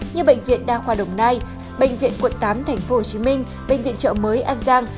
như bệnh viện đa khoa đồng nai bệnh viện quận tám tp hcm bệnh viện trợ mới an giang